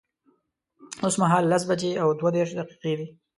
اوس مهال لس بجي او دوه دیرش دقیقی دی